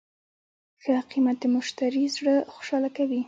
ښه قیمت د مشتری زړه خوشحاله کوي.